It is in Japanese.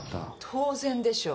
当然でしょ。